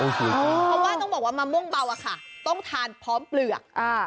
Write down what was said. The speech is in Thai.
เพราะว่าต้องบอกว่ามะม่วงเบาอะค่ะต้องทานพร้อมเปลือก